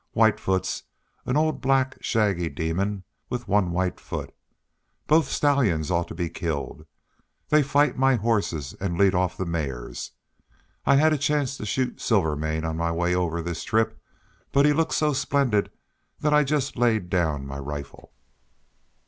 Whitefoot's an old black shaggy demon, with one white foot. Both stallions ought to be killed. They fight my horses and lead off the mares. I had a chance to shoot Silvermane on the way over this trip, but he looked so splendid that I just laid down my rifle."